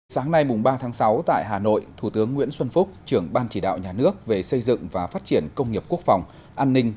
sáng nay ba sáu tại hà nội thủ tướng nguyễn xuân phúc trưởng ban chỉ đạo nhà nước về xây dựng và phát triển công nghiệp quốc phòng an ninh